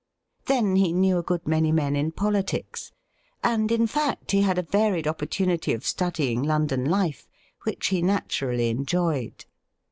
Then he knew a good many men in politics ; and, in fact, he had a varied opportunity of studying London life, which he naturally enjoyed.